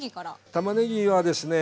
たまねぎはですね